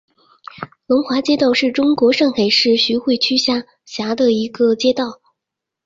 龙华街道是中国上海市徐汇区下辖的一个街道。